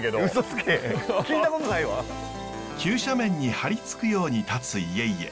急斜面に張り付くように建つ家々。